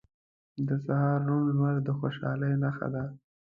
• د سهار روڼ لمر د خوشحالۍ نښه ده.